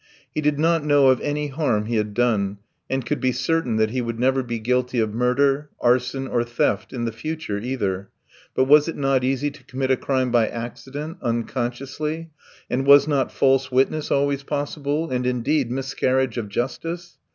He did not know of any harm he had done, and could be certain that he would never be guilty of murder, arson, or theft in the future either; but was it not easy to commit a crime by accident, unconsciously, and was not false witness always possible, and, indeed, miscarriage of justice?